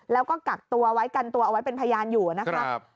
แล้วก็กักตัวไว้กันตัวเอาไว้เป็นพยานอยู่นะครับ